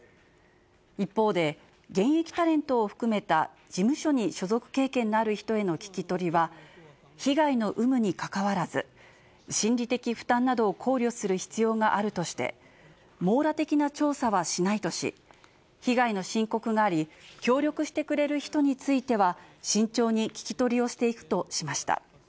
一方で、現役タレントを含めた事務所に所属経験のある人への聞き取りは、被害の有無にかかわらず、心理的負担などを考慮する必要があるとして、網羅的な調査はしないとし、被害の申告があり、協力してくれる人については慎重に聞き取りをしていくとしました。